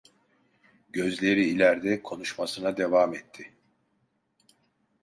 Gözleri ilerde, konuşmasına devam etti: